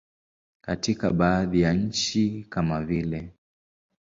Katika baadhi ya nchi kama vile.